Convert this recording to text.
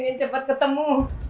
ingin cepet ketemu